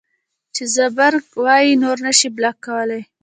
چې زبرګ وائي نور نشې بلاک کولے